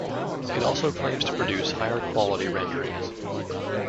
It also claims to produce higher quality renderings.